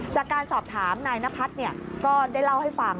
จากการสอบถามนายนพัฒน์ก็ได้เล่าให้ฟัง